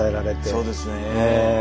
そうですね。